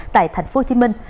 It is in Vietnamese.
tại thành phố hồ chí minh